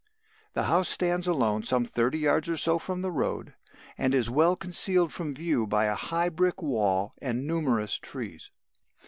The house stands alone, some thirty yards or so from the road, and is well concealed from view by a high brick wall and numerous trees.